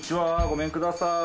ごめんください。